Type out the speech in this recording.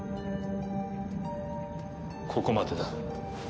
ここまでだ。